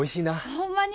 ほんまに？